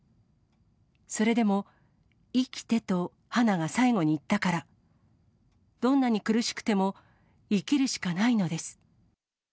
それでも生きてと花が最後に言ったから、どんなに苦しくても生きるしかないのです。